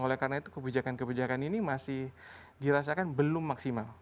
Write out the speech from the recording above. oleh karena itu kebijakan kebijakan ini masih dirasakan belum maksimal